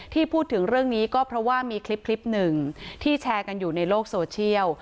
พูดถึงเรื่องนี้ก็เพราะว่ามีคลิปหนึ่งที่แชร์กันอยู่ในโลกโซเชียล